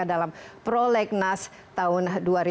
dalam prolegnas tahun dua ribu lima belas